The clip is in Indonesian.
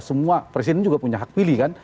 semua presiden juga punya hak pilih kan